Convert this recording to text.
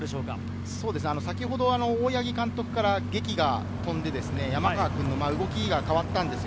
先ほど、大八木監督から檄が飛んで、山川君の動きが変わったんです。